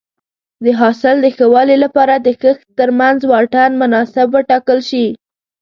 د حاصل د ښه والي لپاره د کښت ترمنځ واټن مناسب وټاکل شي.